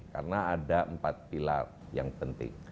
karena ada empat pilar yang penting